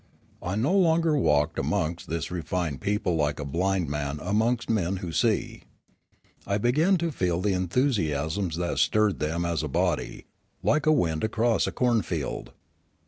I no longer walked amongst this refined people like a blind man amongst men who see. I began to feel the enthusiasms that stirred them as a body, like a wind across a cornfield.